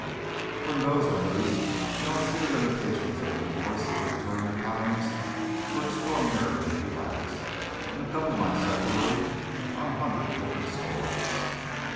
For in those days the austere limitations of divorce of Victorian times were extraordinarily relaxed, and a couple might separate on a hundred different scores.